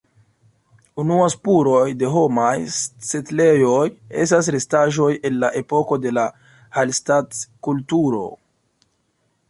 Unua spuroj de homaj setlejoj estas restaĵoj el la epoko de la Hallstatt-kulturo.